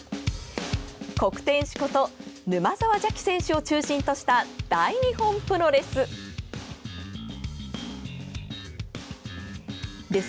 黒天使こと沼澤邪鬼選手を中心とした大日本プロレス。